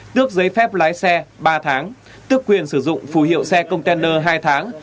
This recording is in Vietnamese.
tước giấy phép lái xe ba tháng tức quyền sử dụng phù hiệu xe container hai tháng